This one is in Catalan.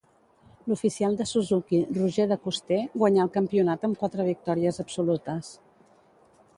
L'oficial de Suzuki Roger De Coster guanyà el campionat amb quatre victòries absolutes.